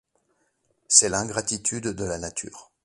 C’est l’ingratitude de la nature.